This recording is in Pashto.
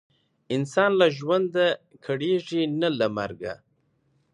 انسان له ژونده کړیږي نه له مرګه.